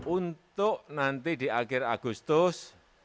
untuk nanti di akhir agustus